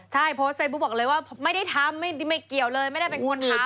ใช่โพสต์เฟซบุ๊คบอกเลยว่าไม่ได้ทำไม่เกี่ยวเลยไม่ได้เป็นคนทำ